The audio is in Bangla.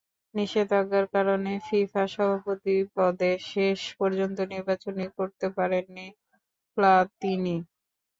নিষেধাজ্ঞার কারণে ফিফা সভাপতি পদে শেষ পর্যন্ত নির্বাচনই করতে পারেননি প্লাতিনি।